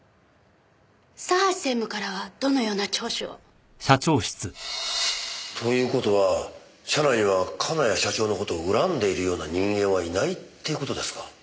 佐橋専務からはどのような聴取を？という事は社内には金谷社長の事を恨んでいるような人間はいないっていう事ですか？